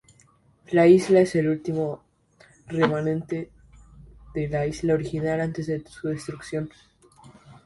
La isla es el último remanente de la isla original antes de su destrucción.